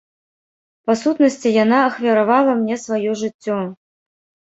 Па сутнасці яна ахвяравала мне сваё жыццё.